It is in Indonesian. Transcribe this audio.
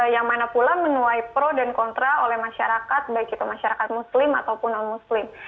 yang mana pula menuai pro dan kontra oleh masyarakat baik itu masyarakat muslim ataupun non muslim